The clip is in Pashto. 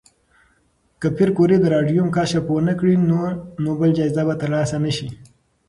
که پېیر کوري د راډیوم کشف ونکړي، نو نوبل جایزه به ترلاسه نه شي.